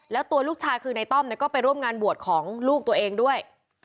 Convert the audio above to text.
แล้วตัวลูกชายคือในต้อมก็ไปร่วมงานบวชของลูกตัวเองด้วย